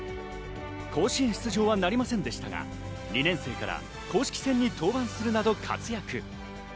甲子園出場はなりませんでしたが、２年生から公式戦に登板するなど、活躍。